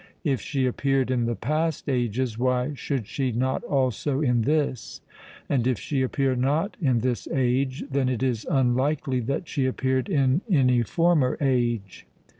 If she appeared in the past ages, why should she not also in this ? And if she appear not in this age, then it is unlikely that she appeared in any former age.